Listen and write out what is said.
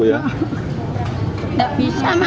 tidak bisa mas